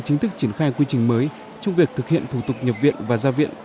chính thức triển khai quy trình mới trong việc thực hiện thủ tục nhập viện và ra viện